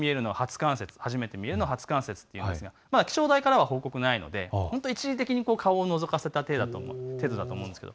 山頂の雪が見えるのは初冠雪といいますが、まだ気象台からの報告がないので一時的に顔をのぞかせた程度だと思います。